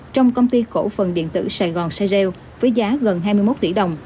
trong công ty cổ phần điện tử sài gòn seo với giá gần hai mươi một tỷ đồng